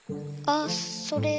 あっそれ。